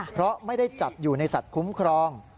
เพราะไม่ได้จัดอยู่ในสัตว์คุ้มครอง